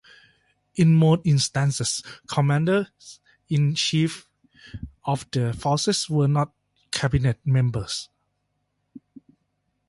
In most instances, Commanders-in-Chief of the Forces were not cabinet members.